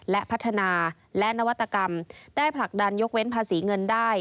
และพัฒนาและนวัตกรรมได้ผลักดันยกเว้นภาษีเงินได้